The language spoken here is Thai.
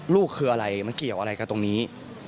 ลูกคืออะไรมันเกี่ยวอะไรกับตรงนี้